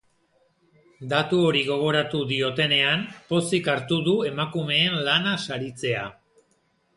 Datu hori gogoratu diotenean, pozik hartu du emakumeen lana saritzea.